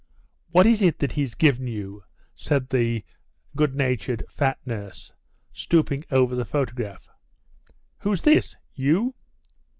"What is it that he's given you?" said the good natured, fat nurse, stooping over the photograph. "Who's this? You?"